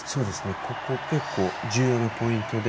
ここ、結構重要なポイントで。